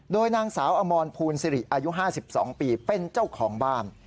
โดยนางสาวอมรภูลสิริอายุ๕๒ปีเป็นเจ้าของบ้าน